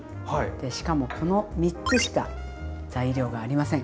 しかもこの３つしか材料がありません。